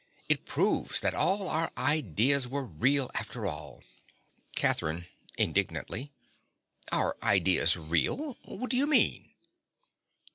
_) It proves that all our ideas were real after all. CATHERINE. (indignantly). Our ideas real! What do you mean?